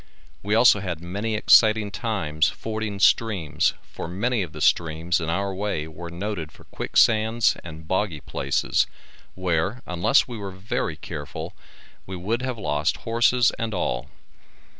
We also had many exciting times fording streams for many of the streams in our way were noted for quicksands and boggy places, where, unless we were very careful, we would have lost horses and all.